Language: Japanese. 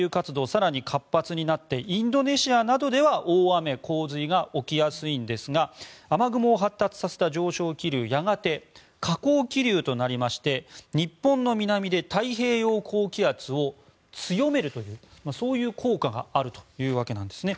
更に活発になってインドネシアなどでは大雨、洪水が起きやすいんですが雨雲を発達させた上昇気流はやがて下降気流になりまして日本の南で太平洋高気圧を強めるというそういう効果があるというわけなんですね。